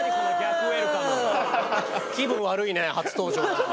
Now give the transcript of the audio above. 気分悪いね初登場なのに。